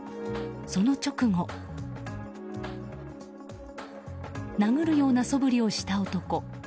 その直後殴るようなそぶりをした男。